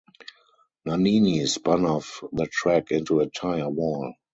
Nannini spun off the track into a tire wall.